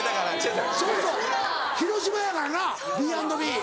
そうそう広島やからなＢ＆Ｂ。